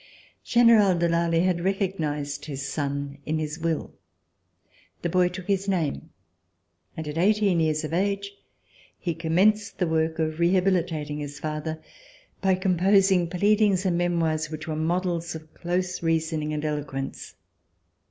General de Lally had recognized his son in his will. The boy took his name, and at eighteen years of age he commenced the work of rehabilitating his father by composing pleadings and memoirs which were models of close reasoning and eloquence.